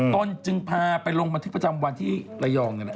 ต้นจึงพาไปลงมาที่ประจำวันที่รายองเนี่ยนะ